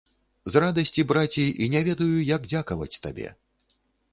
З радасці, браце, і не ведаю, як дзякаваць табе.